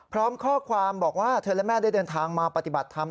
พร้อมข้อความบอกว่าเธอและแม่ได้เดินทางมาปฏิบัติธรรม